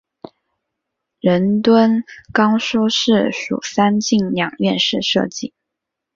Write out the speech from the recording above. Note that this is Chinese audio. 仁敦冈书室属三进两院式设计。